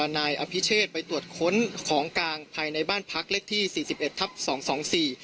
นายอภิเชษไปตรวจค้นของกลางภายในบ้านพักเลขที่สี่สิบเอ็ดทับสองสองสี่